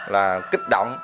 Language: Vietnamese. là kích động